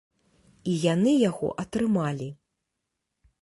І яны яго атрымалі.